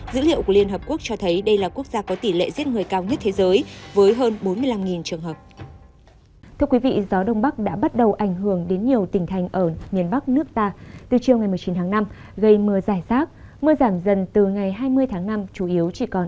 dữ liệu của liên hợp quốc cho thấy đây là quốc gia có tỷ lệ giết người cao nhất thế giới